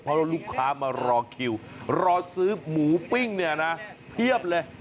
เพราะลูกค้ามารอคิวรอซื้อหมูปิ้งเนี่ยนะเพียบเลย